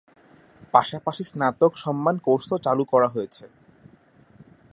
পাশাপাশি স্নাতক সম্মান কোর্সও চালু করা হয়েছে।